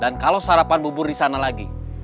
dan kalau sarapan bubur disana lagi